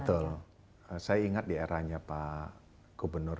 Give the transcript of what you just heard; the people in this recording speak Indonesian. betul saya ingat di eranya pak gubernur